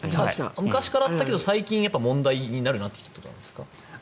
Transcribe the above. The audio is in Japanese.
昔からあったけど最近問題になってきたということなんですか。